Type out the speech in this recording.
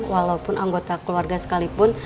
walaupun anggota keluarga sekalipun